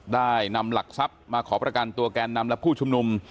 ได้นำหลักทรัพย์มาขอประกันตัวแกนนำและผู้ชุมนุม